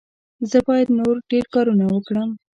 زه باید نور ډېر کارونه وکړم.